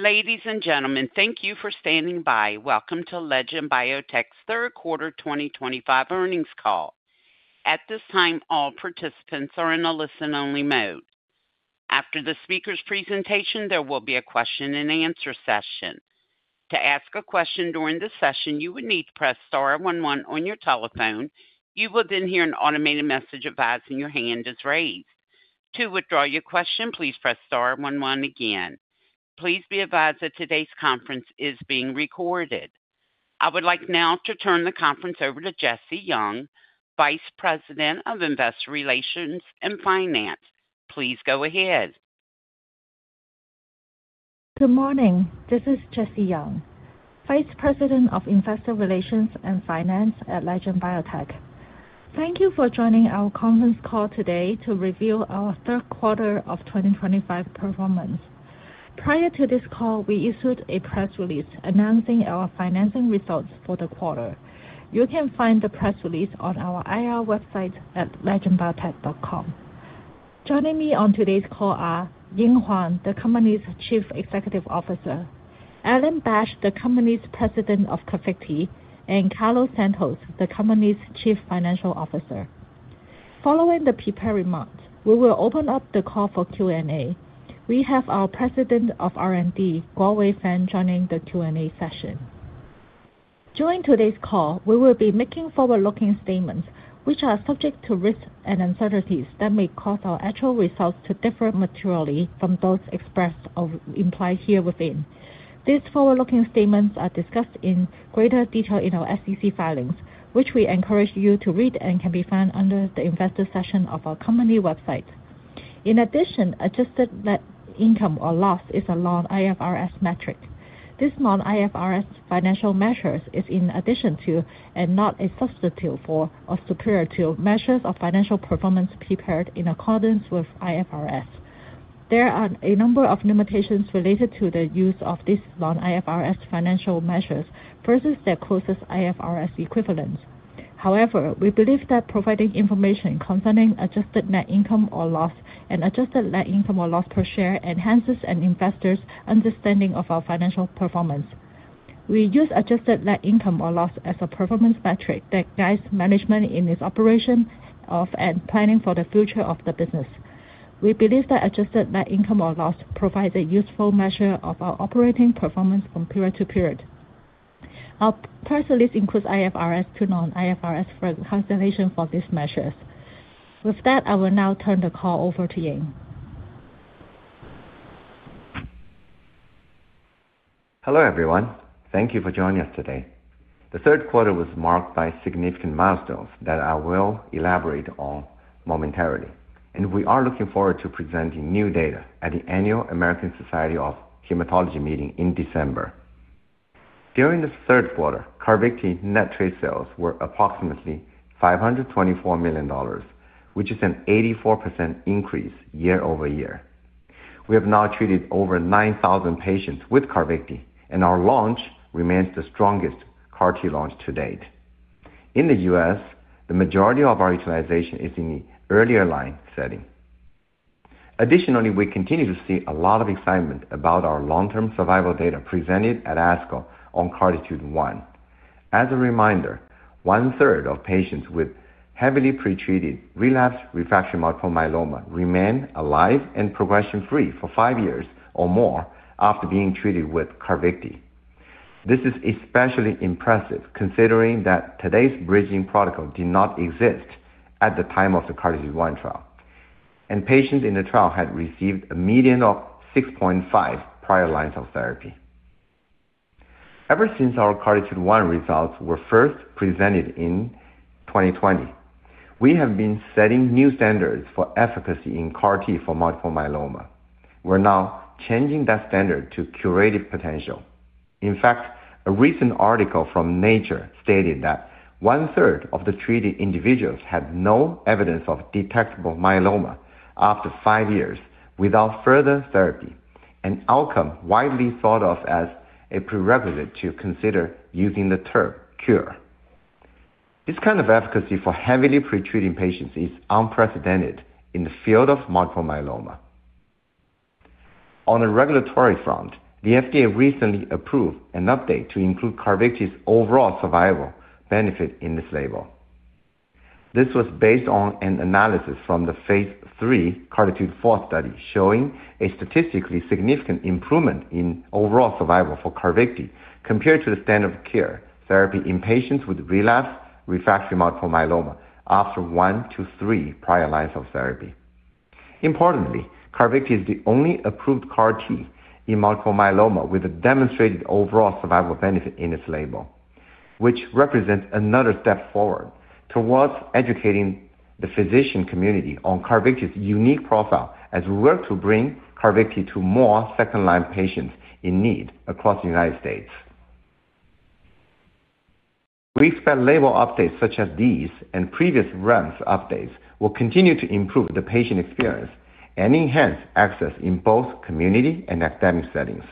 Ladies and gentlemen, thank you for standing by. Welcome to Legend Biotech's third quarter 2025 earnings call. At this time, all participants are in a listen-only mode. After the speaker's presentation, there will be a question-and-answer session. To ask a question during the session, you would need to press star 11 on your telephone. You will then hear an automated message advising your hand is raised. To withdraw your question, please press star 11 again. Please be advised that today's conference is being recorded. I would like now to turn the conference over to Jessie Yeung, Vice President of Investor Relations and Finance. Please go ahead. Good morning. This is Jessie Yeung, Vice President of Investor Relations and Finance at Legend Biotech. Thank you for joining our conference call today to review our third quarter of 2025 performance. Prior to this call, we issued a press release announcing our financial results for the quarter. You can find the press release on our IR website at legendbiotech.com. Joining me on today's call are Ying Huang, the company's Chief Executive Officer; Alan Bash, the company's President of CARVYKTI; and Carlos Santos, the company's Chief Financial Officer. Following the prepared remarks, we will open up the call for Q&A. We have our President of R&D, Guowei Fang, joining the Q&A session. During today's call, we will be making forward-looking statements, which are subject to risks and uncertainties that may cause our actual results to differ materially from those expressed or implied here within. These forward-looking statements are discussed in greater detail in our SEC filings, which we encourage you to read and can be found under the investor section of our company website. In addition, adjusted net income or loss is a non-IFRS metric. This non-IFRS financial measure is in addition to and not a substitute for or superior to measures of financial performance prepared in accordance with IFRS. There are a number of limitations related to the use of these non-IFRS financial measures versus their closest IFRS equivalents. However, we believe that providing information concerning adjusted net income or loss and adjusted net income or loss per share enhances an investor's understanding of our financial performance. We use adjusted net income or loss as a performance metric that guides management in its operation of and planning for the future of the business. We believe that adjusted net income or loss provides a useful measure of our operating performance from period to period. Our press release includes IFRS to non-IFRS for consideration for these measures. With that, I will now turn the call over to Ying. Hello everyone. Thank you for joining us today. The third quarter was marked by significant milestones that I will elaborate on momentarily, and we are looking forward to presenting new data at the annual American Society of Hematology meeting in December. During the third quarter, CARVYKTI net trade sales were approximately $524 million, which is an 84% increase year over year. We have now treated over 9,000 patients with CARVYKTI, and our launch remains the strongest CAR-T launch to date. In the U.S., the majority of our utilization is in the earlier line setting. Additionally, we continue to see a lot of excitement about our long-term survival data presented at ASCO on CARTITUDE-1. As a reminder, one-third of patients with heavily pretreated relapsed/refractory myeloma remain alive and progression-free for five years or more after being treated with CARVYKTI. This is especially impressive considering that today's bridging protocol did not exist at the time of the CARTITUDE-1 trial, and patients in the trial had received a median of 6.5 prior lines of therapy. Ever since our CARTITUDE-1 results were first presented in 2020, we have been setting new standards for efficacy in CAR-T for multiple myeloma. We're now changing that standard to curative potential. In fact, a recent article from Nature stated that one-third of the treated individuals had no evidence of detectable myeloma after five years without further therapy, an outcome widely thought of as a prerequisite to consider using the term cure. This kind of efficacy for heavily pretreated patients is unprecedented in the field of multiple myeloma. On a regulatory front, the FDA recently approved an update to include CARVYKTI's overall survival benefit in this label. This was based on an analysis from the phase three CARTITUDE-4 study showing a statistically significant improvement in overall survival for CARVYKTI compared to the standard of care therapy in patients with relapsed/refractory multiple myeloma after one to three prior lines of therapy. Importantly, CARVYKTI is the only approved CAR-T in multiple myeloma with a demonstrated overall survival benefit in this label, which represents another step forward towards educating the physician community on CARVYKTI's unique profile as we work to bring CARVYKTI to more second-line patients in need across the United States. We expect label updates such as these and previous REMS updates will continue to improve the patient experience and enhance access in both community and academic settings.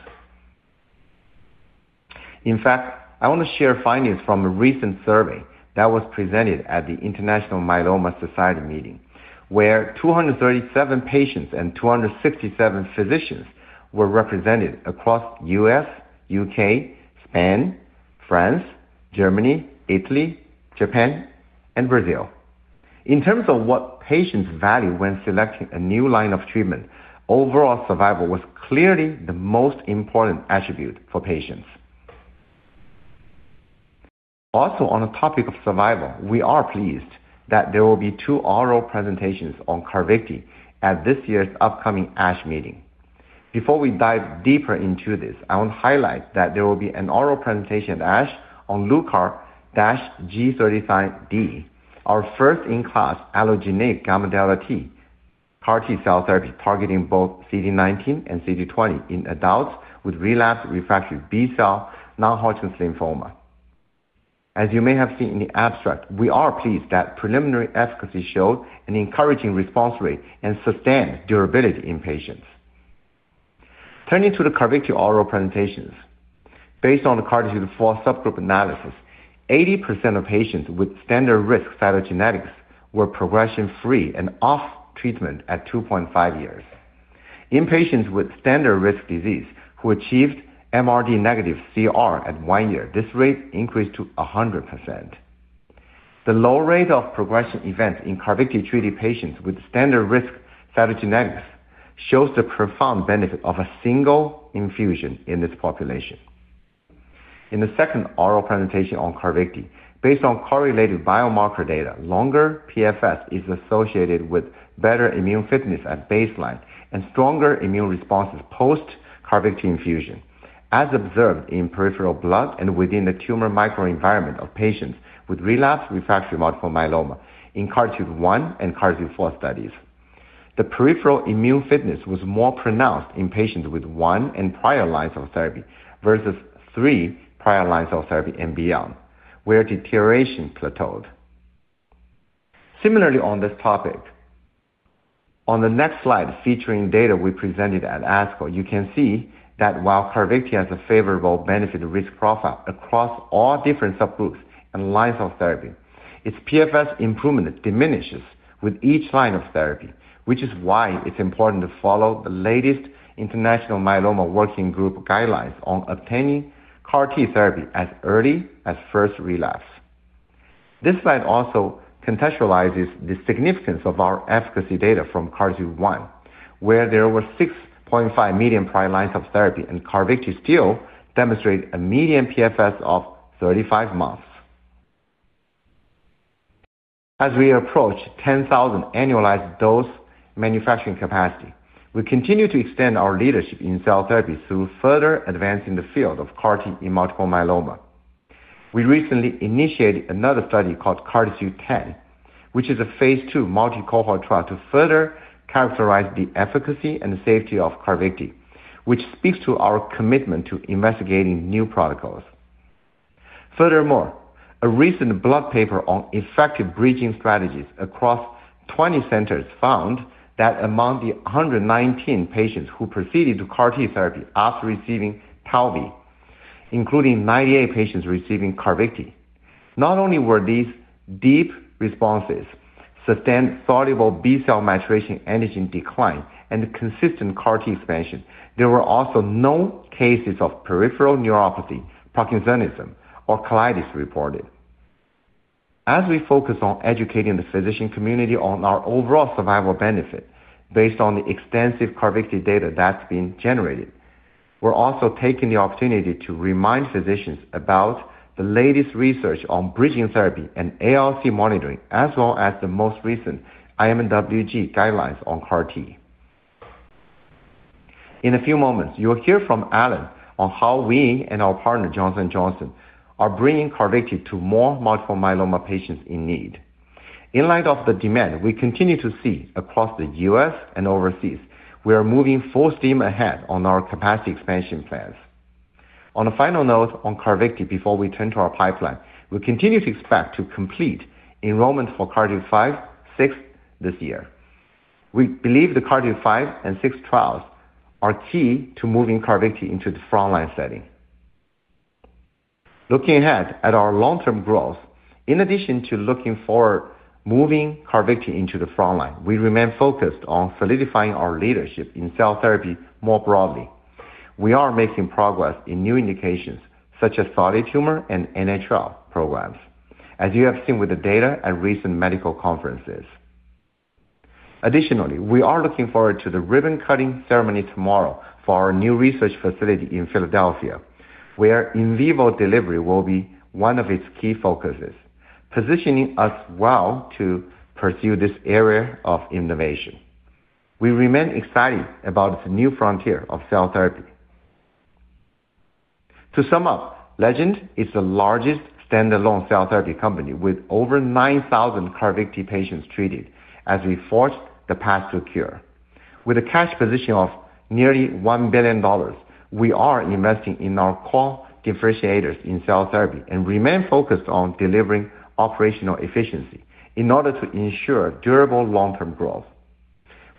In fact, I want to share findings from a recent survey that was presented at the International Myeloma Society meeting, where 237 patients and 267 physicians were represented across the U.S., U.K., Spain, France, Germany, Italy, Japan, and Brazil. In terms of what patients value when selecting a new line of treatment, overall survival was clearly the most important attribute for patients. Also, on the topic of survival, we are pleased that there will be two oral presentations on CARVYKTI at this year's upcoming ASH meeting. Before we dive deeper into this, I want to highlight that there will be an oral presentation at ASH on LUCAR-G35D, our first-in-class allogeneic gamma-delta T CAR-T cell therapy targeting both CD19 and CD20 in adults with relapsed refractory B-cell non-Hodgkin's lymphoma. As you may have seen in the abstract, we are pleased that preliminary efficacy showed an encouraging response rate and sustained durability in patients. Turning to the CARVYKTI oral presentations, based on the CARTITUDE-4 subgroup analysis, 80% of patients with standard risk cytogenetics were progression-free and off treatment at 2.5 years. In patients with standard risk disease who achieved MRD negative CR at one year, this rate increased to 100%. The low rate of progression events in CARVYKTI treated patients with standard risk cytogenetics shows the profound benefit of a single infusion in this population. In the second oral presentation on CARVYKTI, based on correlated biomarker data, longer PFS is associated with better immune fitness at baseline and stronger immune responses post-CARVYKTI infusion, as observed in peripheral blood and within the tumor microenvironment of patients with relapsed/refractory multiple myeloma in CARTITUDE-1 and CARTITUDE-4 studies. The peripheral immune fitness was more pronounced in patients with one and prior lines of therapy versus three prior lines of therapy and beyond, where deterioration plateaued. Similarly, on this topic, on the next slide featuring data we presented at ASCO, you can see that while CARVYKTI has a favorable benefit risk profile across all different subgroups and lines of therapy, its PFS improvement diminishes with each line of therapy, which is why it's important to follow the latest International Myeloma Working Group guidelines on obtaining CAR-T therapy as early as first relapse. This slide also contextualizes the significance of our efficacy data from CARTITUDE-1, where there were 6.5 prior lines of therapy, and CARVYKTI still demonstrates a median PFS of 35 months. As we approach 10,000 annualized dose manufacturing capacity, we continue to extend our leadership in cell therapy through further advancing the field of CAR-T in multiple myeloma. We recently initiated another study called CARTITUDE-10, which is a phase 2 multicohort trial to further characterize the efficacy and safety of CARVYKTI, which speaks to our commitment to investigating new protocols. Furthermore, a recent Blood paper on effective bridging strategies across 20 centers found that among the 119 patients who proceeded to CAR-T therapy after receiving Tecvayli, including 98 patients receiving CARVYKTI, not only were these deep responses, sustained soluble B-cell maturation antigen decline, and consistent CAR-T expansion, there were also no cases of peripheral neuropathy, Parkinsonism, or colitis reported. As we focus on educating the physician community on our overall survival benefit based on the extensive CARVYKTI data that's been generated, we're also taking the opportunity to remind physicians about the latest research on bridging therapy and ALC monitoring, as well as the most recent IMWG guidelines on CAR-T. In a few moments, you'll hear from Alan on how we and our partner, Johnson & Johnson, are bringing CARVYKTI to more multiple myeloma patients in need. In light of the demand we continue to see across the U.S. and overseas, we are moving full steam ahead on our capacity expansion plans. On a final note on CARVYKTI, before we turn to our pipeline, we continue to expect to complete enrollment for CARTITUDE-5 and CARTITUDE-6 this year. We believe the CARTITUDE-5 and CARTITUDE-6 trials are key to moving CARVYKTI into the frontline setting. Looking ahead at our long-term growth, in addition to looking forward, moving CARVYKTI into the frontline, we remain focused on solidifying our leadership in cell therapy more broadly. We are making progress in new indications such as solid tumor and NHL programs, as you have seen with the data at recent medical conferences. Additionally, we are looking forward to the ribbon-cutting ceremony tomorrow for our new research facility in Philadelphia, where in vivo delivery will be one of its key focuses, positioning us well to pursue this area of innovation. We remain excited about this new frontier of cell therapy. To sum up, Legend is the largest standalone cell therapy company with over 9,000 CARVYKTI patients treated as we forge the path to a cure. With a cash position of nearly $1 billion, we are investing in our core differentiators in cell therapy and remain focused on delivering operational efficiency in order to ensure durable long-term growth.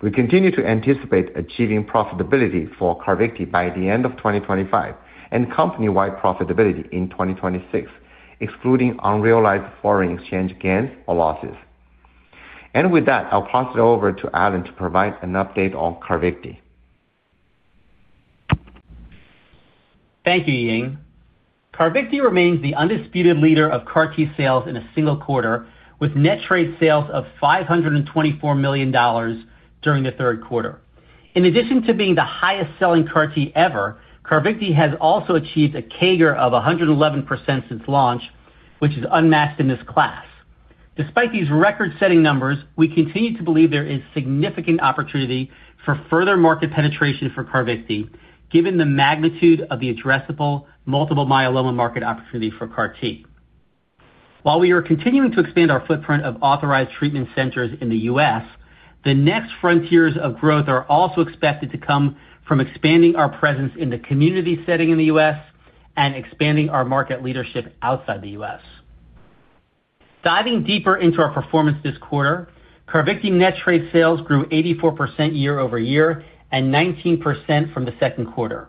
We continue to anticipate achieving profitability for CARVYKTI by the end of 2025 and company-wide profitability in 2026, excluding unrealized foreign exchange gains or losses. With that, I'll pass it over to Alan to provide an update on CARVYKTI. Thank you, Ying. CARVYKTI remains the undisputed leader of CAR-T sales in a single quarter, with net trade sales of $524 million during the third quarter. In addition to being the highest-selling CAR-T ever, CARVYKTI has also achieved a CAGR of 111% since launch, which is unmatched in this class. Despite these record-setting numbers, we continue to believe there is significant opportunity for further market penetration for CARVYKTI, given the magnitude of the addressable multiple myeloma market opportunity for CAR-T. While we are continuing to expand our footprint of authorized treatment centers in the U.S., the next frontiers of growth are also expected to come from expanding our presence in the community setting in the U.S. and expanding our market leadership outside the U.S. Diving deeper into our performance this quarter, CARVYKTI net trade sales grew 84% year over year and 19% from the second quarter.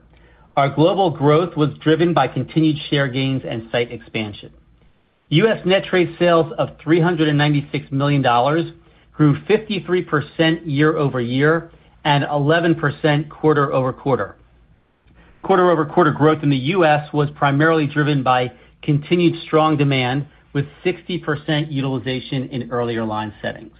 Our global growth was driven by continued share gains and site expansion. U.S. net trade sales of $396 million grew 53% year over year and 11% quarter over quarter. Quarter over quarter growth in the U.S. was primarily driven by continued strong demand, with 60% utilization in earlier line settings.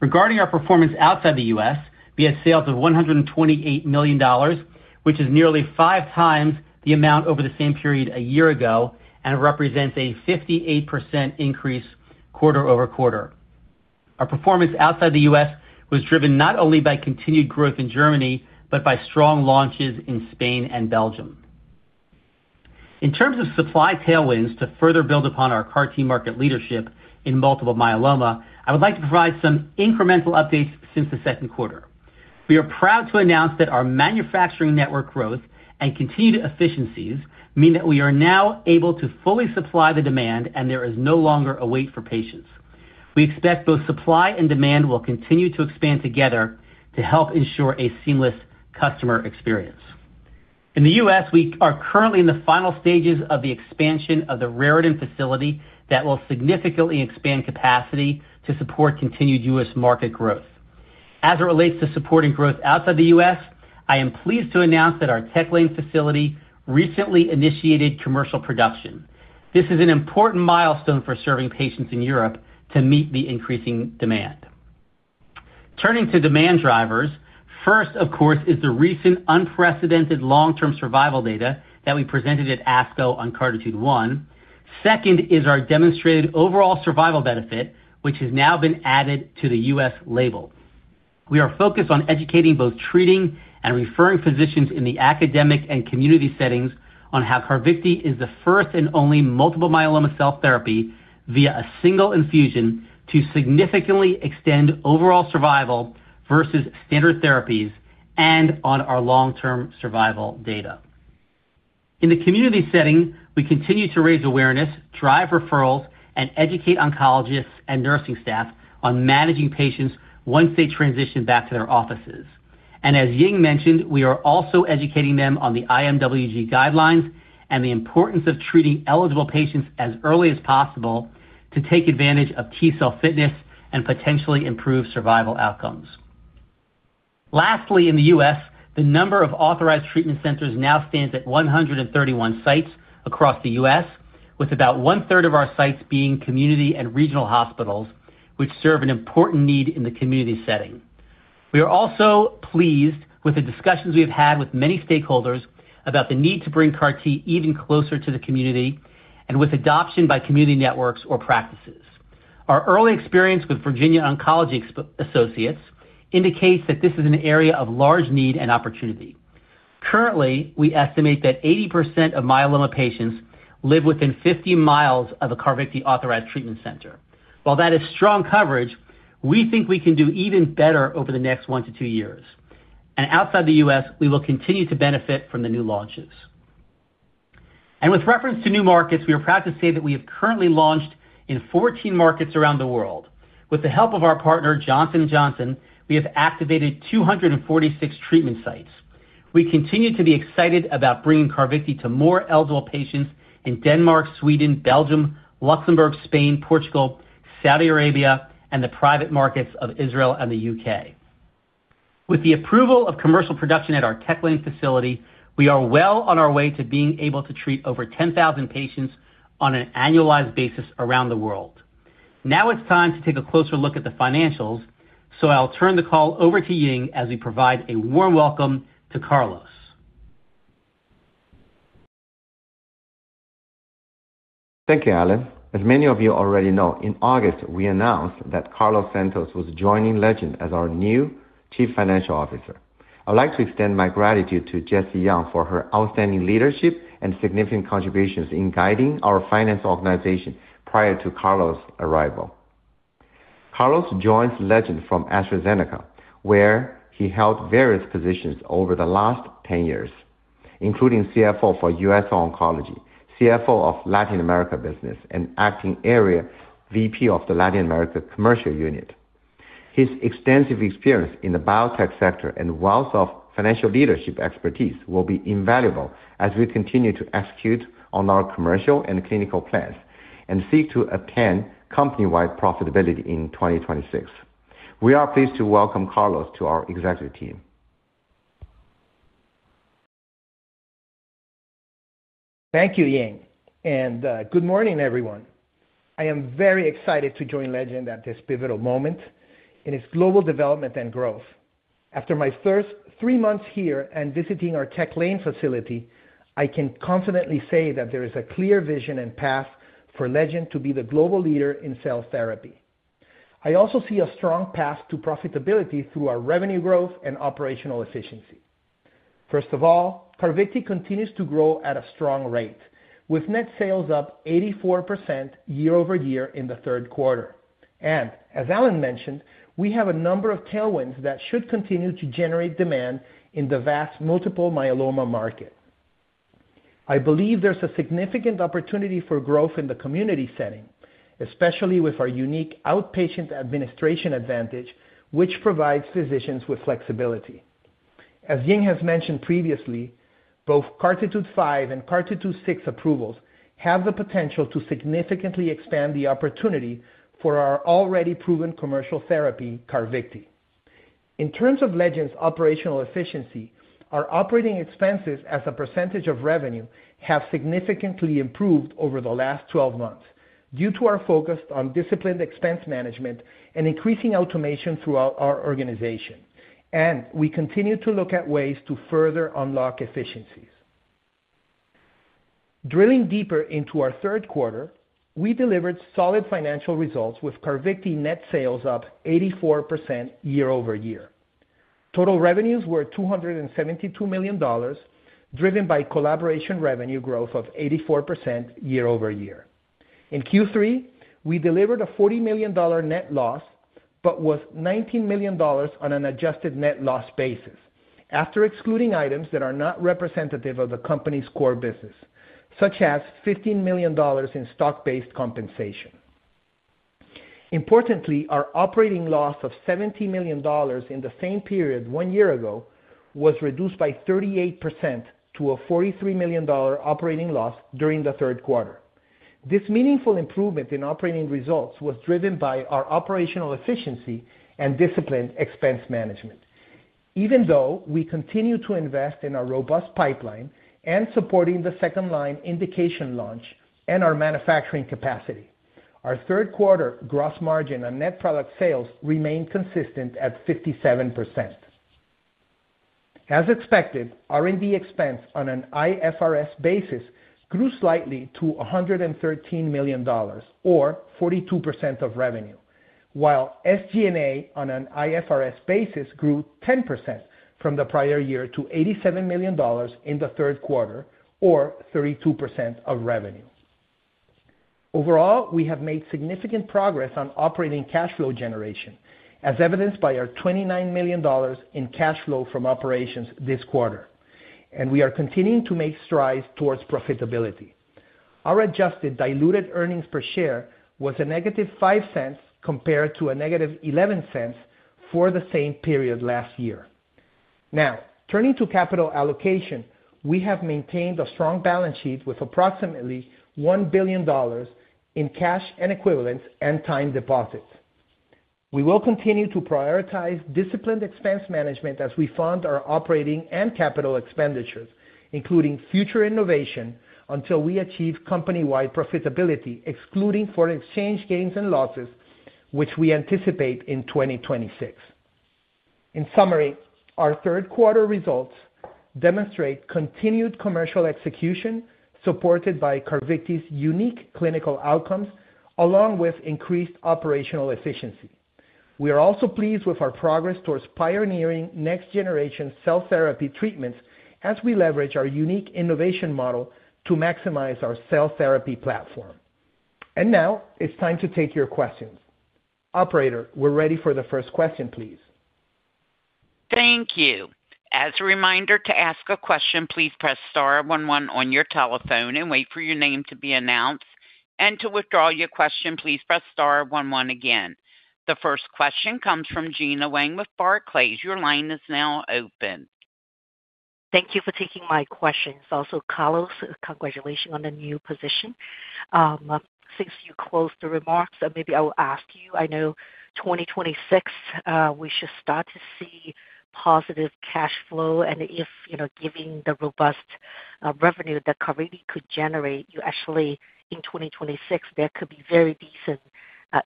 Regarding our performance outside the U.S., we had sales of $128 million, which is nearly 5x the amount over the same period a year ago and represents a 58% increase quarter over quarter. Our performance outside the U.S. was driven not only by continued growth in Germany, but by strong launches in Spain and Belgium. In terms of supply tailwinds to further build upon our CAR-T market leadership in multiple myeloma, I would like to provide some incremental updates since the second quarter. We are proud to announce that our manufacturing network growth and continued efficiencies mean that we are now able to fully supply the demand, and there is no longer a wait for patients. We expect both supply and demand will continue to expand together to help ensure a seamless customer experience. In the U.S., we are currently in the final stages of the expansion of the Raritan facility that will significantly expand capacity to support continued U.S. market growth. As it relates to supporting growth outside the U.S., I am pleased to announce that our TechLane facility recently initiated commercial production. This is an important milestone for serving patients in Europe to meet the increasing demand. Turning to demand drivers, first, of course, is the recent unprecedented long-term survival data that we presented at ASCO on CARTITUDE-1. Second is our demonstrated overall survival benefit, which has now been added to the U.S. label. We are focused on educating both treating and referring physicians in the academic and community settings on how CARVYKTI is the first and only multiple myeloma cell therapy via a single infusion to significantly extend overall survival versus standard therapies and on our long-term survival data. In the community setting, we continue to raise awareness, drive referrals, and educate oncologists and nursing staff on managing patients once they transition back to their offices. As Ying mentioned, we are also educating them on the IMWG guidelines and the importance of treating eligible patients as early as possible to take advantage of T-cell fitness and potentially improve survival outcomes. Lastly, in the U.S., the number of authorized treatment centers now stands at 132 sites across the U.S., with about 1/3 of our sites being community and regional hospitals, which serve an important need in the community setting. We are also pleased with the discussions we have had with many stakeholders about the need to bring CAR-T even closer to the community and with adoption by community networks or practices. Our early experience with Virginia Oncology Associates indicates that this is an area of large need and opportunity. Currently, we estimate that 80% of myeloma patients live within 50 mi of a CARVYKTI authorized treatment center. While that is strong coverage, we think we can do even better over the next one to two years. Outside the U.S., we will continue to benefit from the new launches. With reference to new markets, we are proud to say that we have currently launched in 14 markets around the world. With the help of our partner, Johnson & Johnson, we have activated 246 treatment sites. We continue to be excited about bringing CARVYKTI to more eligible patients in Denmark, Sweden, Belgium, Luxembourg, Spain, Portugal, Saudi Arabia, and the private markets of Israel and the U.K. With the approval of commercial production at our TechLane facility, we are well on our way to being able to treat over 10,000 patients on an annualized basis around the world. Now it's time to take a closer look at the financials, so I'll turn the call over to Ying as we provide a warm welcome to Carlos. Thank you, Alan. As many of you already know, in August, we announced that Carlos Santos was joining Legend as our new Chief Financial Officer. I would like to extend my gratitude to Jessie Yeung for her outstanding leadership and significant contributions in guiding our finance organization prior to Carlos's arrival. Carlos joined Legend from AstraZeneca, where he held various positions over the last 10 years, including CFO for U.S. Oncology, CFO of Latin America Business, and Acting Area VP of the Latin America Commercial Unit. His extensive experience in the biotech sector and wealth of financial leadership expertise will be invaluable as we continue to execute on our commercial and clinical plans and seek to attain company-wide profitability in 2026. We are pleased to welcome Carlos to our executive team. Thank you, Ying. Good morning, everyone. I am very excited to join Legend at this pivotal moment in its global development and growth. After my first three months here and visiting our TechLane facility, I can confidently say that there is a clear vision and path for Legend to be the global leader in cell therapy. I also see a strong path to profitability through our revenue growth and operational efficiency. First of all, CARVYKTI continues to grow at a strong rate, with net sales up 84% year over year in the third quarter. As Alan mentioned, we have a number of tailwinds that should continue to generate demand in the vast multiple myeloma market. I believe there is a significant opportunity for growth in the community setting, especially with our unique outpatient administration advantage, which provides physicians with flexibility. As Ying has mentioned previously, both CARTITUDE-5 and CARTITUDE-6 approvals have the potential to significantly expand the opportunity for our already proven commercial therapy, CARVYKTI. In terms of Legend's operational efficiency, our operating expenses as a percentage of revenue have significantly improved over the last 12 months due to our focus on disciplined expense management and increasing automation throughout our organization. We continue to look at ways to further unlock efficiencies. Drilling deeper into our third quarter, we delivered solid financial results with CARVYKTI net sales up 84% year over year. Total revenues were $272 million, driven by collaboration revenue growth of 84% year over year. In Q3, we delivered a $40 million net loss, with $19 million on an adjusted net loss basis after excluding items that are not representative of the company's core business, such as $15 million in stock-based compensation. Importantly, our operating loss of $17 million in the same period one year ago was reduced by 38% to a $43 million operating loss during the third quarter. This meaningful improvement in operating results was driven by our operational efficiency and disciplined expense management, even though we continue to invest in our robust pipeline and supporting the second line indication launch and our manufacturing capacity. Our third quarter gross margin on net product sales remained consistent at 57%. As expected, R&D expense on an IFRS basis grew slightly to $113 million, or 42% of revenue, while SG&A on an IFRS basis grew 10% from the prior year to $87 million in the third quarter, or 32% of revenue. Overall, we have made significant progress on operating cash flow generation, as evidenced by our $29 million in cash flow from operations this quarter. We are continuing to make strides towards profitability. Our adjusted diluted earnings per share was a -$0.05 compared to a -$0.11 for the same period last year. Now, turning to capital allocation, we have maintained a strong balance sheet with approximately $1 billion in cash and equivalents and time deposits. We will continue to prioritize disciplined expense management as we fund our operating and capital expenditures, including future innovation, until we achieve company-wide profitability, excluding foreign exchange gains and losses, which we anticipate in 2026. In summary, our third quarter results demonstrate continued commercial execution supported by CARVYKTI's unique clinical outcomes, along with increased operational efficiency. We are also pleased with our progress towards pioneering next-generation cell therapy treatments as we leverage our unique innovation model to maximize our cell therapy platform. It is now time to take your questions. Operator, we're ready for the first question, please. Thank you. As a reminder, to ask a question, please press star 11 on your telephone and wait for your name to be announced. To withdraw your question, please press star 11 again. The first question comes from Gena Wang with Barclays. Your line is now open. Thank you for taking my questions. Also, Carlos, congratulations on the new position. Since you closed the remarks, maybe I will ask you, I know 2026, we should start to see positive cash flow. And if, given the robust revenue that CARVYKTI could generate, you actually, in 2026, there could be very decent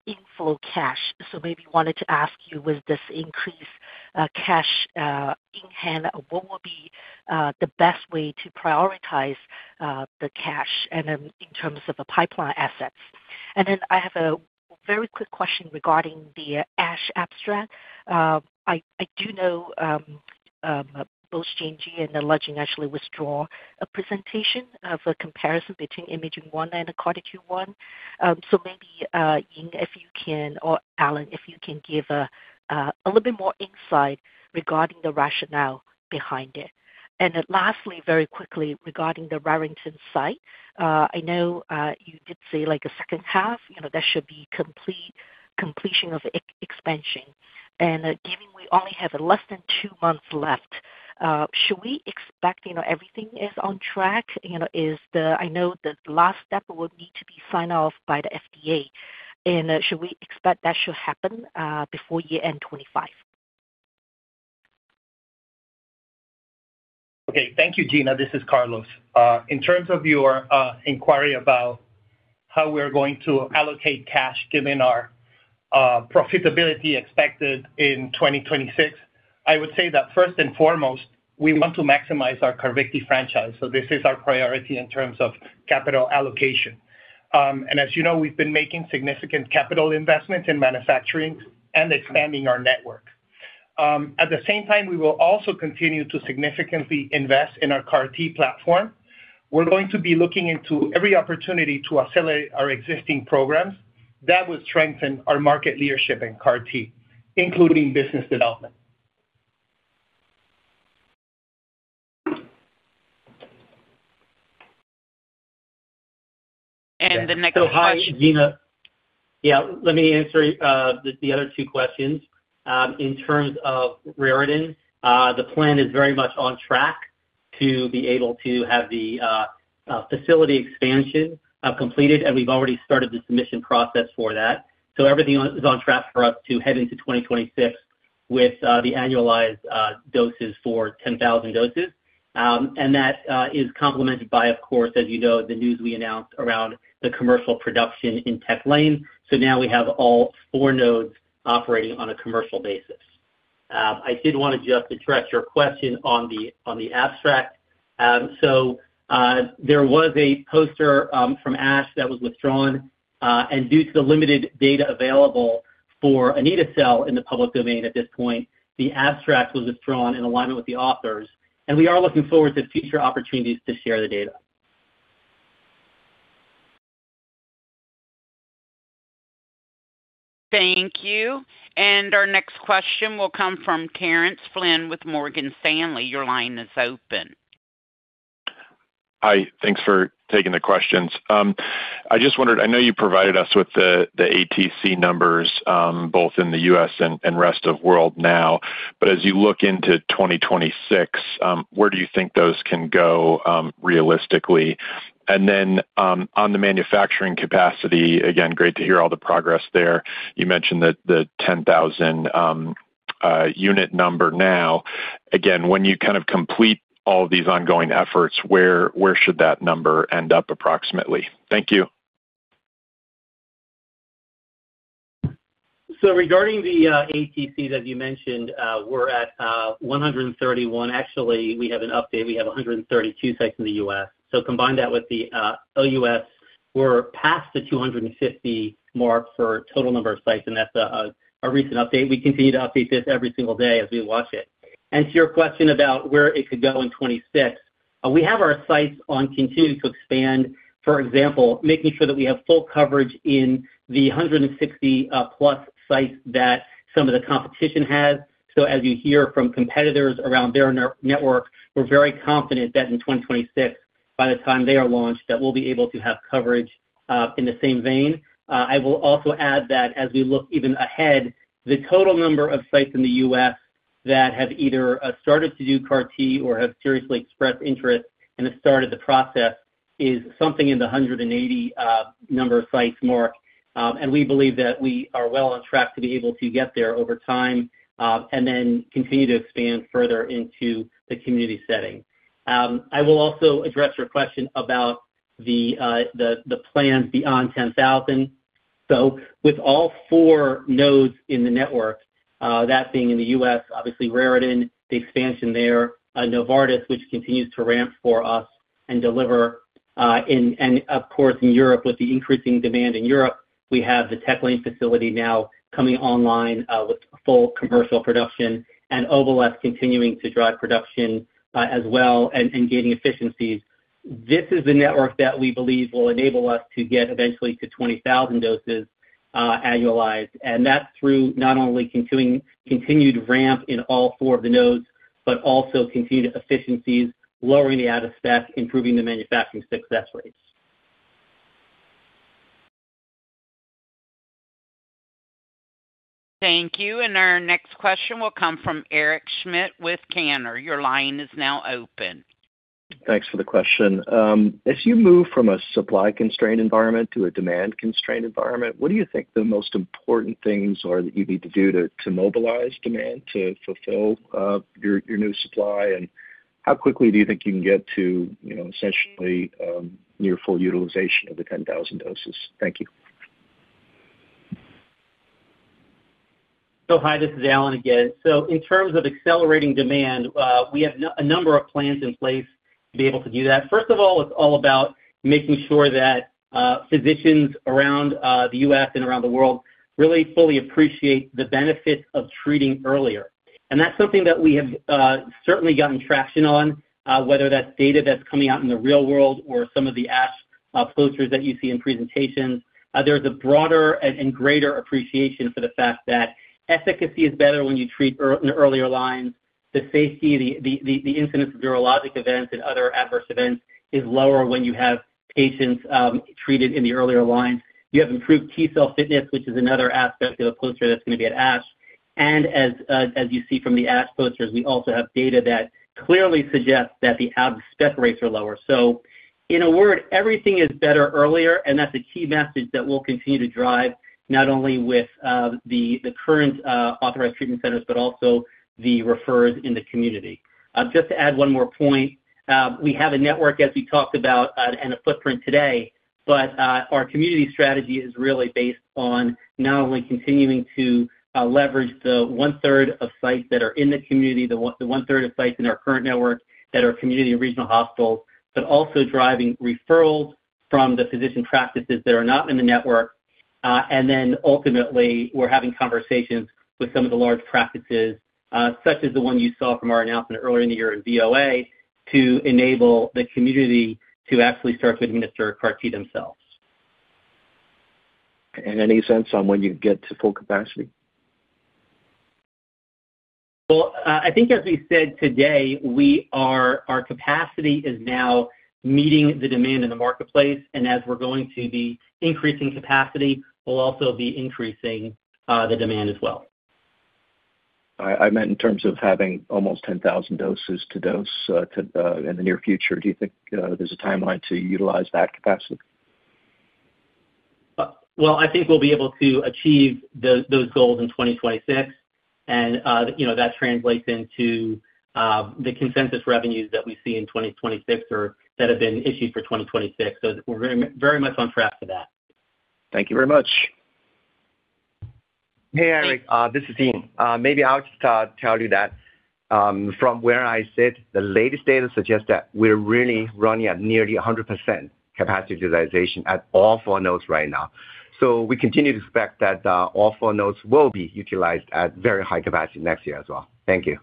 inflow cash. Maybe I wanted to ask you, with this increased cash in hand, what will be the best way to prioritize the cash in terms of pipeline assets? I have a very quick question regarding the ASH abstract. I do know both J&J and Legend actually withdrew a presentation of a comparison between [Imaging One] and CARTITUDE -1. Maybe, Ying, if you can, or Alan, if you can give a little bit more insight regarding the rationale behind it. Lastly, very quickly, regarding the Raritan site, I know you did say like a second half, there should be complete completion of expansion. Given we only have less than two months left, should we expect everything is on track? I know the last step would need to be signed off by the FDA. Should we expect that should happen before year end 2025? Okay. Thank you, Gena. This is Carlos. In terms of your inquiry about how we're going to allocate cash, given our profitability expected in 2026, I would say that first and foremost, we want to maximize our CARVYKTI franchise. This is our priority in terms of capital allocation. As you know, we've been making significant capital investments in manufacturing and expanding our network. At the same time, we will also continue to significantly invest in our CAR-T platform. We're going to be looking into every opportunity to accelerate our existing programs that would strengthen our market leadership in CAR-T, including business development. The next question. How should Gena? Yeah, let me answer the other two questions. In terms of Raritan, the plan is very much on track to be able to have the facility expansion completed. We have already started the submission process for that. Everything is on track for us to head into 2026 with the annualized doses for 10,000 doses. That is complemented by, of course, as you know, the news we announced around the commercial production in TechLane. Now we have all four nodes operating on a commercial basis. I did want to just address your question on the abstract. There was a poster from ASH that was withdrawn. Due to the limited data available for Anita Cell in the public domain at this point, the abstract was withdrawn in alignment with the authors. We are looking forward to future opportunities to share the data. Thank you. Our next question will come from Terence Flynn with Morgan Stanley. Your line is open. Hi. Thanks for taking the questions. I just wondered, I know you provided us with the ATC numbers both in the U.S. and rest of the world now, but as you look into 2026, where do you think those can go realistically? On the manufacturing capacity, again, great to hear all the progress there. You mentioned the 10,000 unit number now. When you kind of complete all of these ongoing efforts, where should that number end up approximately? Thank you. Regarding the ATC that you mentioned, we're at 131. Actually, we have an update. We have 132 sites in the U.S. Combine that with the U.S., we're past the 250 mark for total number of sites. That's our recent update. We continue to update this every single day as we watch it. To your question about where it could go in 2026, we have our sights on continuing to expand, for example, making sure that we have full coverage in the 160+ sites that some of the competition has. As you hear from competitors around their network, we're very confident that in 2026, by the time they are launched, we'll be able to have coverage in the same vein. I will also add that as we look even ahead, the total number of sites in the U.S. that have either started to do CAR-T or have seriously expressed interest and have started the process is something in the 180 number of sites mark. We believe that we are well on track to be able to get there over time and then continue to expand further into the community setting. I will also address your question about the plans beyond 10,000. With all four nodes in the network, that being in the U.S., obviously Raritan, the expansion there, Novartis, which continues to ramp for us and deliver. Of course, in Europe, with the increasing demand in Europe, we have the TechLane facility now coming online with full commercial production and [Oval-leth] continuing to drive production as well and gaining efficiencies. This is the network that we believe will enable us to get eventually to 20,000 doses annualized. That's through not only continued ramp in all four of the nodes, but also continued efficiencies, lowering the added stack, improving the manufacturing success rates. Thank you. Our next question will come from Eric Schmidt with Cantor. Your line is now open. Thanks for the question. As you move from a supply-constrained environment to a demand-constrained environment, what do you think the most important things are that you need to do to mobilize demand to fulfill your new supply? How quickly do you think you can get to essentially near full utilization of the 10,000 doses? Thank you. Hi, this is Alan again. In terms of accelerating demand, we have a number of plans in place to be able to do that. First of all, it's all about making sure that physicians around the U.S. and around the world really fully appreciate the benefits of treating earlier. That's something that we have certainly gotten traction on, whether that's data that's coming out in the real world or some of the ASH posters that you see in presentations. There's a broader and greater appreciation for the fact that efficacy is better when you treat in the earlier lines. The safety, the incidence of neurologic events and other adverse events is lower when you have patients treated in the earlier lines. You have improved T-cell fitness, which is another aspect of the poster that's going to be at ASH. As you see from the ASH posters, we also have data that clearly suggests that the abspect rates are lower. In a word, everything is better earlier. That is a key message that we will continue to drive not only with the current authorized treatment centers, but also the referrers in the community. Just to add one more point, we have a network, as we talked about, and a footprint today. Our community strategy is really based on not only continuing to leverage the one-third of sites that are in the community, the one-third of sites in our current network that are community and regional hospitals, but also driving referrals from the physician practices that are not in the network. We're having conversations with some of the large practices, such as the one you saw from our announcement earlier in the year in VOA, to enable the community to actually start to administer CAR-T themselves. Any sense on when you get to full capacity? I think as we said today, our capacity is now meeting the demand in the marketplace. As we're going to be increasing capacity, we'll also be increasing the demand as well. I meant in terms of having almost 10,000 doses to dose in the near future. Do you think there's a timeline to utilize that capacity? I think we'll be able to achieve those goals in 2026. That translates into the consensus revenues that we see in 2026 that have been issued for 2026. We are very much on track for that. Thank you very much. Hey, Eric. This is Ying. Maybe I'll just tell you that from where I sit, the latest data suggests that we're really running at nearly 100% capacity utilization at all four nodes right now. We continue to expect that all four nodes will be utilized at very high capacity next year as well. Thank you.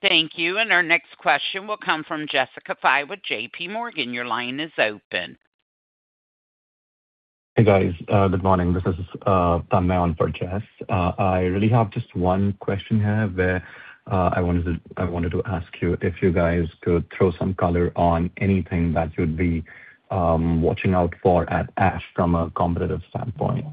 Thank you. Our next question will come from Jessica Fye with JPMorgan. Your line is open. Hey, guys. Good morning. This is Tanmay on for Jess. I really have just one question here where I wanted to ask you if you guys could throw some color on anything that you'd be watching out for at ASH from a competitive standpoint.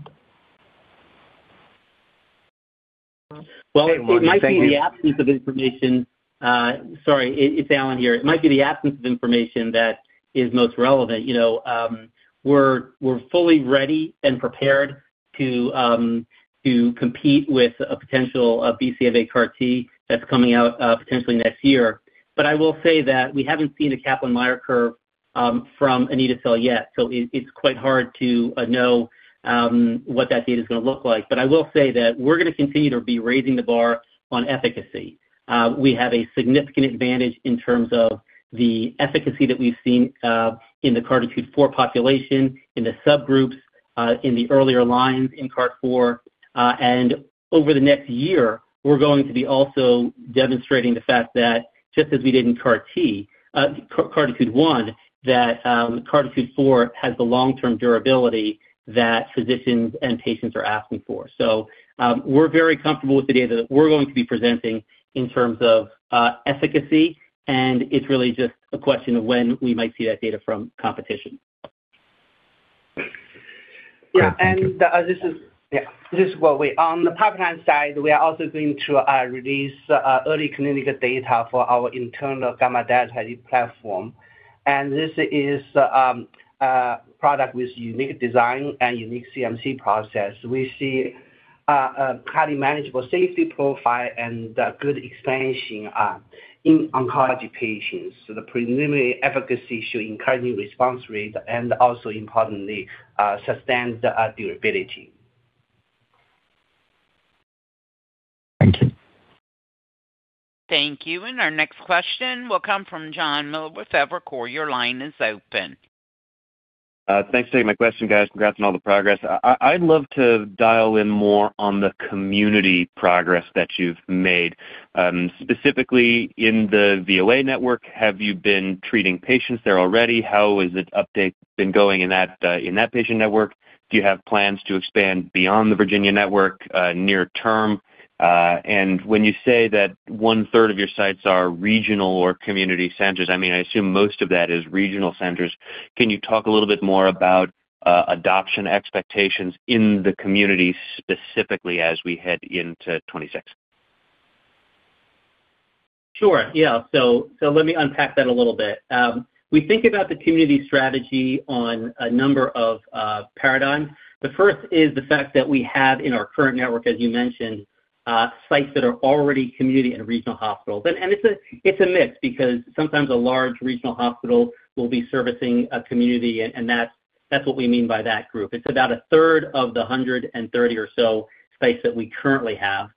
It might be the absence of information, sorry, it's Alan here. It might be the absence of information that is most relevant. We're fully ready and prepared to compete with a potential BCMA CAR-T that's coming out potentially next year. I will say that we haven't seen a Kaplan-Meier curve from anito-cel yet. It's quite hard to know what that data is going to look like. I will say that we're going to continue to be raising the bar on efficacy. We have a significant advantage in terms of the efficacy that we've seen in the CARTITUDE-4 population, in the subgroups, in the earlier lines in CARTITUDE-4. Over the next year, we're going to be also demonstrating the fact that just as we did in CARTITUDE-1, that CARTITUDE-4 has the long-term durability that physicians and patients are asking for. We're very comfortable with the data that we're going to be presenting in terms of efficacy. It's really just a question of when we might see that data from competition. Yeah. This is what we on the pipeline side, we are also going to release early clinical data for our internal gamma-delta platform. This is a product with unique design and unique CMC process. We see a highly manageable safety profile and good expansion in oncology patients. The preliminary efficacy should encourage new response rate and also, importantly, sustain the durability. Thank you. Thank you. Our next question will come from Jonathan Miller with Evercore. Your line is open. Thanks for taking my question, guys. Congrats on all the progress. I'd love to dial in more on the community progress that you've made. Specifically, in the VOA network, have you been treating patients there already? How has that update been going in that patient network? Do you have plans to expand beyond the Virginia network near term? When you say that 1/3 of your sites are regional or community centers, I mean, I assume most of that is regional centers. Can you talk a little bit more about adoption expectations in the community specifically as we head into 2026? Sure. Yeah. Let me unpack that a little bit. We think about the community strategy on a number of paradigms. The first is the fact that we have in our current network, as you mentioned, sites that are already community and regional hospitals. It is a mix because sometimes a large regional hospital will be servicing a community. That is what we mean by that group. It is about a third of the 130 or so sites that we currently have.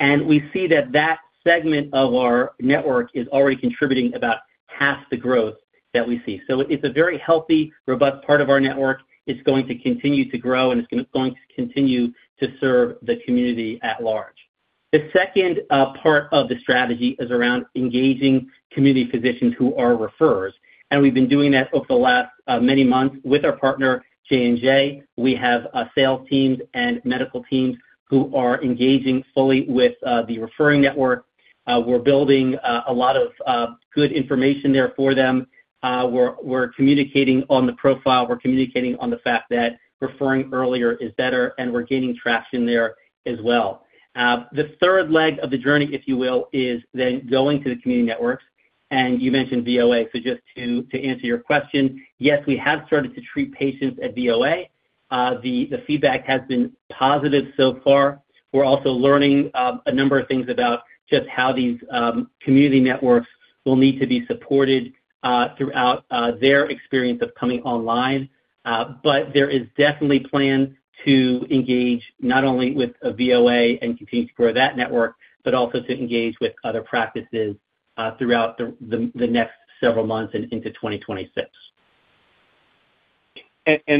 We see that that segment of our network is already contributing about half the growth that we see. It is a very healthy, robust part of our network. It is going to continue to grow. It is going to continue to serve the community at large. The second part of the strategy is around engaging community physicians who are referrers. We have been doing that over the last many months with our partner, J&J. We have sales teams and medical teams who are engaging fully with the referring network. We are building a lot of good information there for them. We are communicating on the profile. We are communicating on the fact that referring earlier is better. We are gaining traction there as well. The third leg of the journey, if you will, is then going to the community networks. You mentioned VOA. Just to answer your question, yes, we have started to treat patients at VOA. The feedback has been positive so far. We are also learning a number of things about just how these community networks will need to be supported throughout their experience of coming online. There is definitely a plan to engage not only with VOA and continue to grow that network, but also to engage with other practices throughout the next several months and into 2026.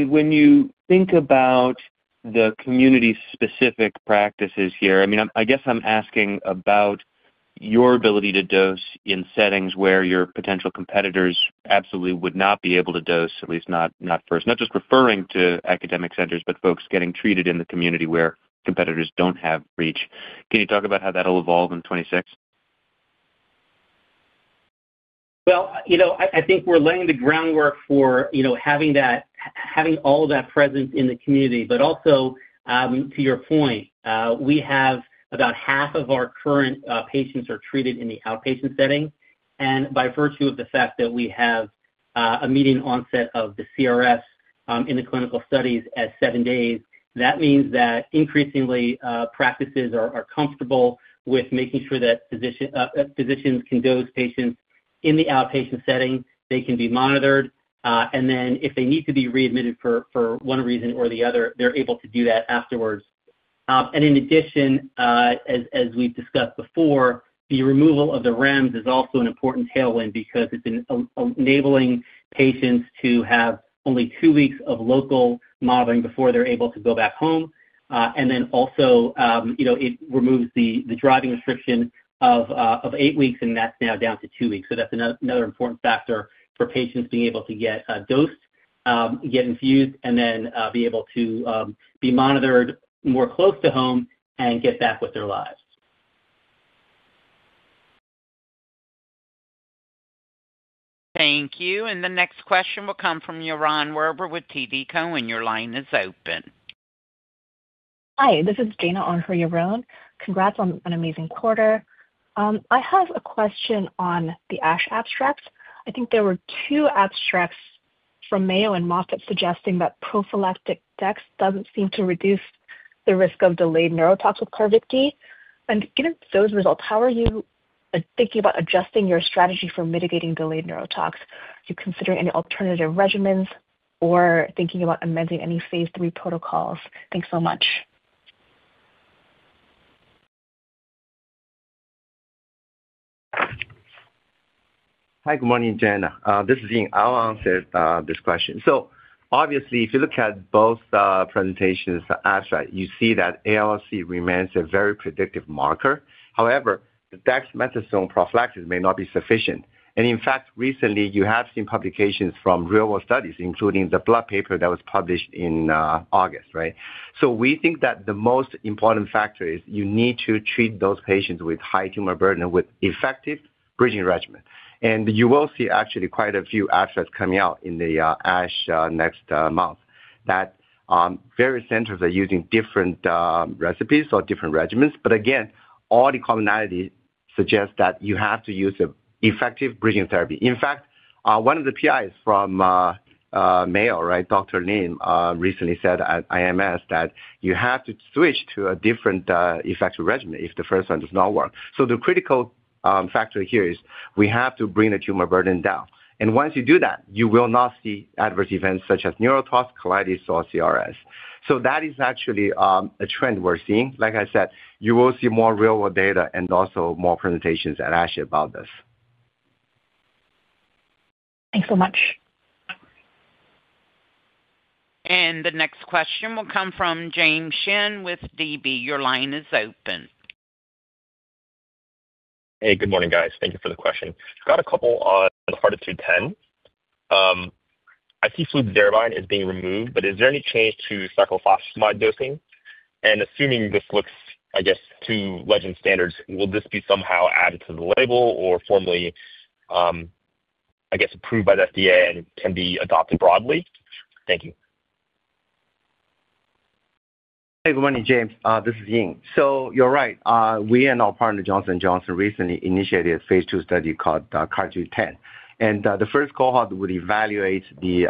When you think about the community-specific practices here, I mean, I guess I'm asking about your ability to dose in settings where your potential competitors absolutely would not be able to dose, at least not first, not just referring to academic centers, but folks getting treated in the community where competitors don't have reach. Can you talk about how that'll evolve in 2026? I think we're laying the groundwork for having all of that presence in the community. Also, to your point, we have about half of our current patients are treated in the outpatient setting. By virtue of the fact that we have a median onset of the CRS in the clinical studies at seven days, that means that increasingly practices are comfortable with making sure that physicians can dose patients in the outpatient setting. They can be monitored. If they need to be readmitted for one reason or the other, they're able to do that afterwards. In addition, as we've discussed before, the removal of the REMS is also an important tailwind because it's enabling patients to have only two weeks of local modeling before they're able to go back home. It also removes the driving restriction of eight weeks, and that's now down to two weeks. That's another important factor for patients being able to get dosed, get infused, and then be able to be monitored more close to home and get back with their lives. Thank you. The next question will come from Yaron Werber with TD Cowen. Your line is open. Hi. This is [Jana] on for Yaron. Congrats on an amazing quarter. I have a question on the ASH abstracts. I think there were two abstracts from Mayo and Moffitt suggesting that prophylactic dex doesn't seem to reduce the risk of delayed neurotox with CARVYKTI. Given those results, how are you thinking about adjusting your strategy for mitigating delayed neurotox? Are you considering any alternative regimens or thinking about amending any phase three protocols? Thanks so much. Hi. Good morning, Jana. This is Ying. Alan answered this question. Obviously, if you look at both presentations, you see that ALC remains a very predictive marker. However, the dexamethasone prophylaxis may not be sufficient. In fact, recently, you have seen publications from real-world studies, including the Blood paper that was published in August, right? We think that the most important factor is you need to treat those patients with high tumor burden with effective bridging regimen. You will see actually quite a few abstracts coming out in the ASH next month that various centers are using different recipes or different regimens. Again, all the commonality suggests that you have to use an effective bridging therapy. In fact, one of the PIs from Mayo, right, Dr. Lim, recently said at IMS that you have to switch to a different effective regimen if the first one does not work. The critical factor here is we have to bring the tumor burden down. Once you do that, you will not see adverse events such as neurotox, colitis, or CRS. That is actually a trend we're seeing. Like I said, you will see more real-world data and also more presentations at ASH about this. Thanks so much. The next question will come from James Shin with DB. Your line is open. Hey, good morning, guys. Thank you for the question. Got a couple on the CARTITUDE-10. I see fludarabine is being removed, but is there any change to cyclophosphamide dosing? I guess, assuming this looks, I guess, to Legend standards, will this be somehow added to the label or formally, I guess, approved by the FDA and can be adopted broadly? Thank you. Hey, good morning, James. This is Ying. You're right. We and our partner, Johnson & Johnson, recently initiated a phase two study called CARTITUDE-10. The first cohort would evaluate the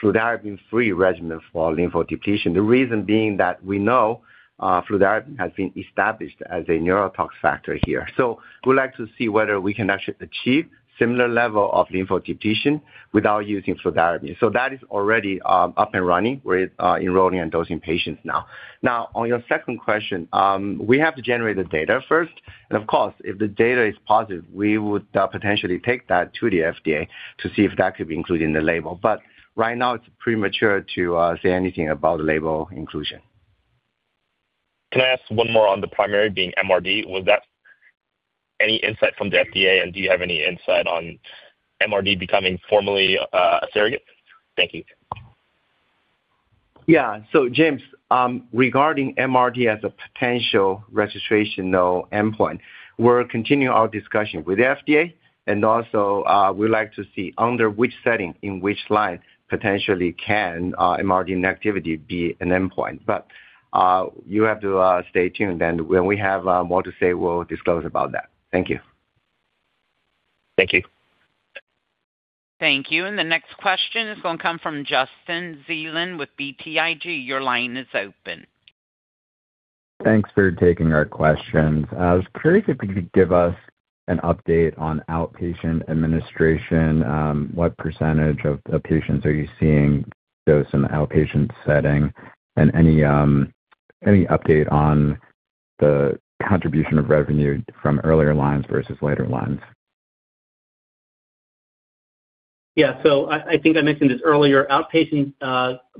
fludarabine-free regimen for lymphodepletion. The reason being that we know fludarabine has been established as a neurotox factor here. We'd like to see whether we can actually achieve a similar level of lymphodepletion without using fludarabine. That is already up and running. We're enrolling and dosing patients now. On your second question, we have to generate the data first. Of course, if the data is positive, we would potentially take that to the FDA to see if that could be included in the label. Right now, it's premature to say anything about the label inclusion. Can I ask one more on the primary being MRD? Was that any insight from the FDA? Do you have any insight on MRD becoming formally a surrogate? Thank you. Yeah. James, regarding MRD as a potential registration endpoint, we're continuing our discussion with the FDA. Also, we'd like to see under which setting, in which line, potentially can MRD inactivity be an endpoint. You have to stay tuned. When we have more to say, we'll disclose about that. Thank you. Thank you. Thank you. The next question is going to come from Justin Zeland with BTIG. Your line is open. Thanks for taking our questions. I was curious if you could give us an update on outpatient administration. What percentage of the patients are you seeing dose in the outpatient setting? Any update on the contribution of revenue from earlier lines versus later lines? Yeah. I think I mentioned this earlier. Outpatient,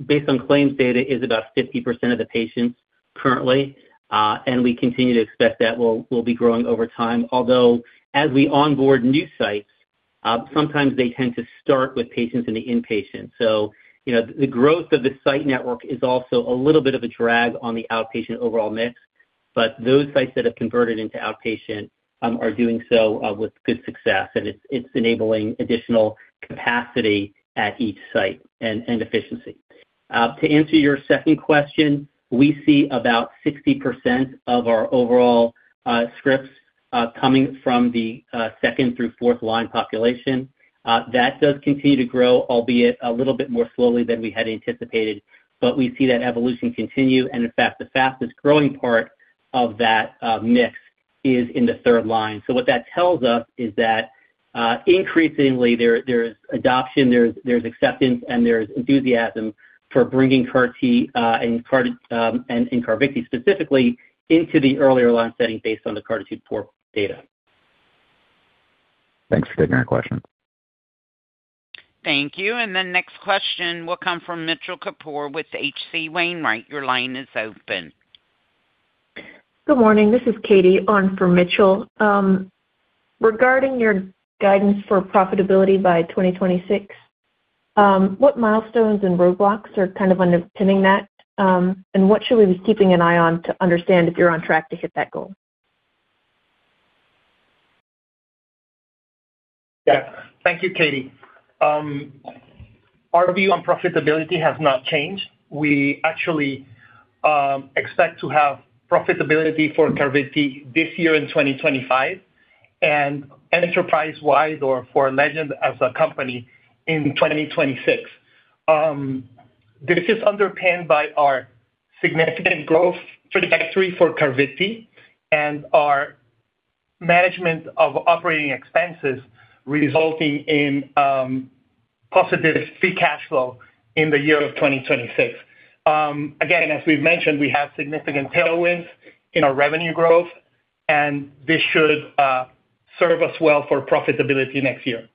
based on claims data, is about 50% of the patients currently. We continue to expect that will be growing over time. Although, as we onboard new sites, sometimes they tend to start with patients in the inpatient. The growth of the site network is also a little bit of a drag on the outpatient overall mix. Those sites that have converted into outpatient are doing so with good success. It is enabling additional capacity at each site and efficiency. To answer your second question, we see about 60% of our overall scripts coming from the second through fourth line population. That does continue to grow, albeit a little bit more slowly than we had anticipated. We see that evolution continue. In fact, the fastest growing part of that mix is in the third line. What that tells us is that increasingly, there is adoption, there is acceptance, and there is enthusiasm for bringing CAR-T and CARVYKTI specifically into the earlier line setting based on the CARTITUDE-4 data. Thanks for taking our questions. Thank you. The next question will come from Mitchell Kapoor with HC Wainwright. Your line is open. Good morning. This is Katie on for Mitchell. Regarding your guidance for profitability by 2026, what milestones and roadblocks are kind of underpinning that? What should we be keeping an eye on to understand if you're on track to hit that goal? Yeah. Thank you, Katie. Our view on profitability has not changed. We actually expect to have profitability for CARVYKTI this year in 2025 and enterprise-wide or for Legend as a company in 2026. This is underpinned by our significant growth trajectory for CARVYKTI and our management of operating expenses resulting in positive free cash flow in the year of 2026. Again, as we've mentioned, we have significant tailwinds in our revenue growth. This should serve us well for profitability next year.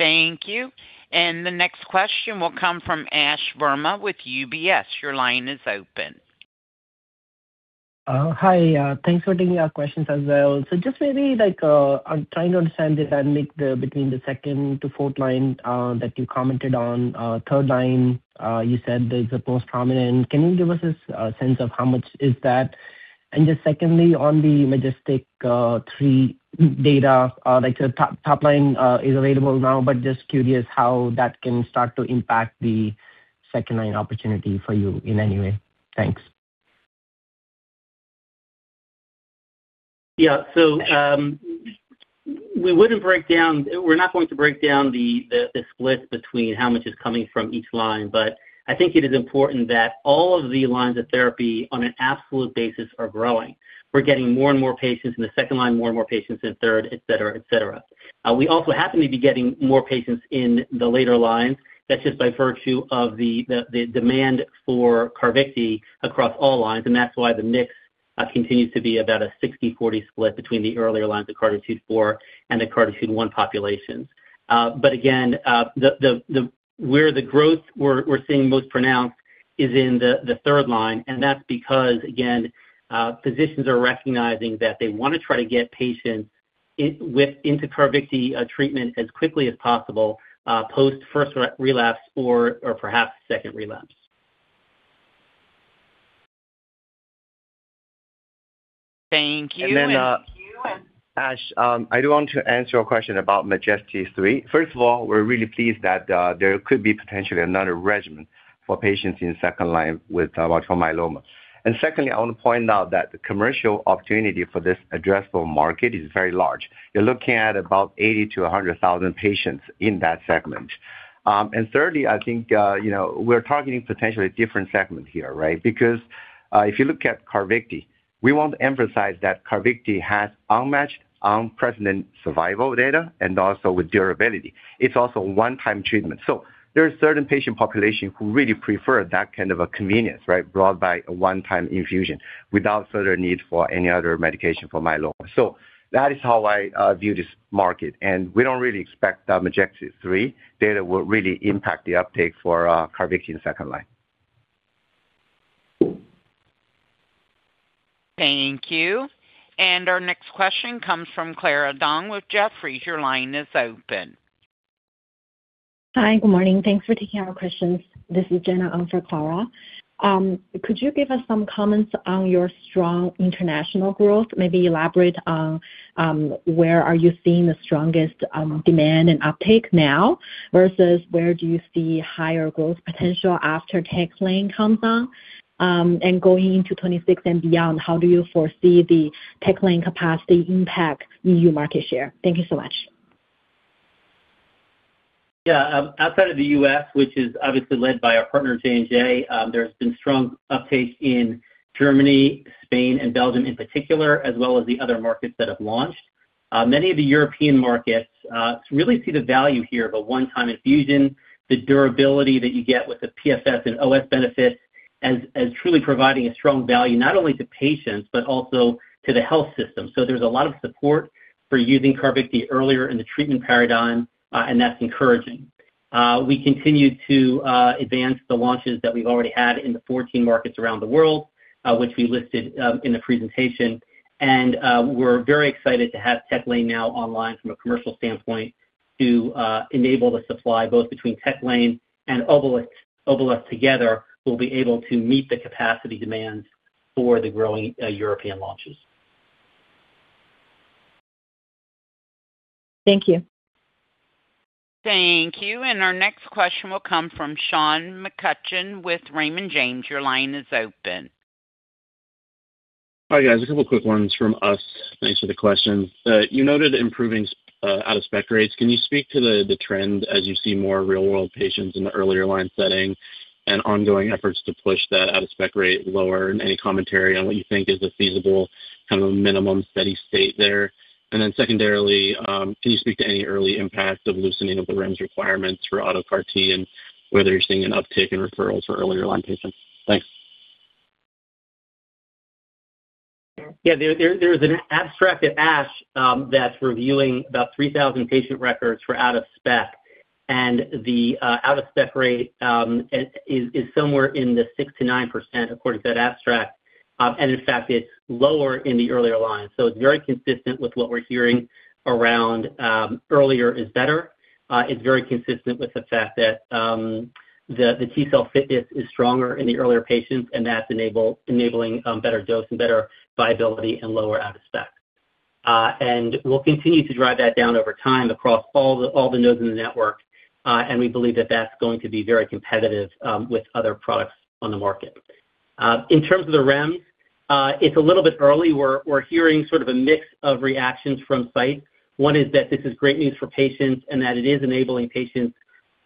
Thank you. The next question will come from Ashwani Verma with UBS. Your line is open. Hi. Thanks for taking our questions as well. Just maybe I'm trying to understand the dynamic between the second to fourth line that you commented on. Third line, you said is the most prominent. Can you give us a sense of how much is that? Just secondly, on the logistic three data, the top line is available now, but just curious how that can start to impact the second line opportunity for you in any way. Thanks. Yeah. We would not break down, we are not going to break down the split between how much is coming from each line. I think it is important that all of the lines of therapy on an absolute basis are growing. We are getting more and more patients in the second line, more and more patients in third, etc., etc. We also happen to be getting more patients in the later lines. That is just by virtue of the demand for CARVYKTI across all lines. That is why the mix continues to be about a 60/40 split between the earlier lines of CARTITUDE-4 and the CARTITUDE-1 populations. Again, where the growth we are seeing most pronounced is in the third line. That is because, again, physicians are recognizing that they want to try to get patients into CARVYKTI treatment as quickly as possible post first relapse or perhaps second relapse. Thank you. Ash, I do want to answer your question about MAJESTY-3. First of all, we're really pleased that there could be potentially another regimen for patients in second line with multiple myeloma. Secondly, I want to point out that the commercial opportunity for this addressable market is very large. You're looking at about 80,000-100,000 patients in that segment. Thirdly, I think we're targeting potentially different segments here, right? Because if you look at CARVYKTI, we want to emphasize that CARVYKTI has unmatched, unprecedented survival data and also with durability. It's also a one-time treatment. There are certain patient populations who really prefer that kind of a convenience, brought by a one-time infusion without further need for any other medication for myeloma. That is how I view this market. We do not really expect the MAJESTY-3 data will really impact the uptake for CARVYKTI in second line. Thank you. Our next question comes from Clara Dong with Jefferies. Your line is open. Hi. Good morning. Thanks for taking our questions. This is [Jana] on for Clara. Could you give us some comments on your strong international growth? Maybe elaborate on where are you seeing the strongest demand and uptake now versus where do you see higher growth potential after TechLane comes on? Going into 2026 and beyond, how do you foresee the TechLane capacity impact E.U. market share? Thank you so much. Yeah. Outside of the U.S., which is obviously led by our partner, J&J, there's been strong uptake in Germany, Spain, and Belgium in particular, as well as the other markets that have launched. Many of the European markets really see the value here of a one-time infusion. The durability that you get with the PFS and OS benefits is truly providing a strong value not only to patients but also to the health system. There is a lot of support for using CARVYKTI earlier in the treatment paradigm. That is encouraging. We continue to advance the launches that we've already had in the 14 markets around the world, which we listed in the presentation. We're very excited to have TechLane now online from a commercial standpoint to enable the supply. Both between TechLane and Ovalt together will be able to meet the capacity demands for the growing European launches. Thank you. Thank you. Our next question will come from Sean McCutcheon with Raymond James. Your line is open. Hi, guys. A couple of quick ones from us. Thanks for the question. You noted improving out-of-spec rates. Can you speak to the trend as you see more real-world patients in the earlier line setting and ongoing efforts to push that out-of-spec rate lower? Any commentary on what you think is a feasible kind of minimum steady state there? Secondarily, can you speak to any early impact of loosening of the REMS requirements for auto CAR-T and whether you're seeing an uptake in referrals for earlier line patients? Thanks. Yeah. There is an abstract at ASH that's reviewing about 3,000 patient records for out-of-spec. The out-of-spec rate is somewhere in the 6%-9% according to that abstract. In fact, it's lower in the earlier line. It is very consistent with what we're hearing around earlier is better. It is very consistent with the fact that the T-cell fitness is stronger in the earlier patients. That is enabling better dose and better viability and lower out-of-spec. We will continue to drive that down over time across all the nodes in the network. We believe that is going to be very competitive with other products on the market. In terms of the REMS, it's a little bit early. We're hearing sort of a mix of reactions from sites. One is that this is great news for patients and that it is enabling patients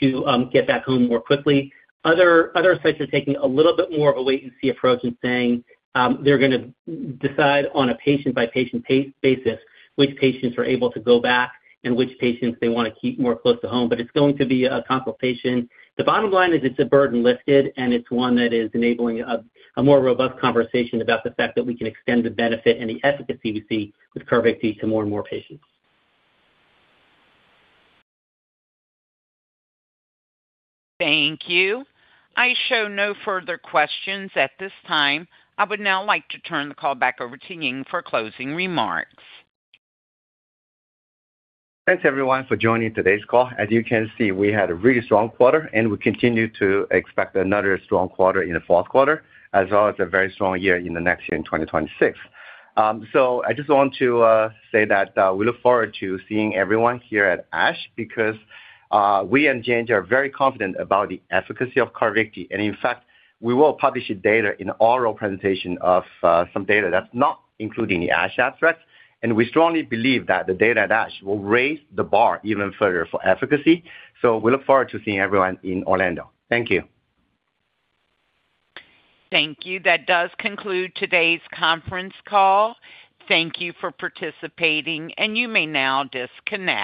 to get back home more quickly. Other sites are taking a little bit more of a wait-and-see approach and saying they're going to decide on a patient-by-patient basis which patients are able to go back and which patients they want to keep more close to home. It's going to be a consultation. The bottom line is it's a burden lifted. It's one that is enabling a more robust conversation about the fact that we can extend the benefit and the efficacy we see with CARVYKTI to more and more patients. Thank you. I show no further questions at this time. I would now like to turn the call back over to Ying for closing remarks. Thanks, everyone, for joining today's call. As you can see, we had a really strong quarter. We continue to expect another strong quarter in the fourth quarter, as well as a very strong year in the next year in 2026. I just want to say that we look forward to seeing everyone here at ASH because we and J&J are very confident about the efficacy of CARVYKTI. In fact, we will publish data in our presentation of some data that's not included in the ASH abstract. We strongly believe that the data at ASH will raise the bar even further for efficacy. We look forward to seeing everyone in Orlando. Thank you. Thank you. That does conclude today's conference call. Thank you for participating. You may now disconnect.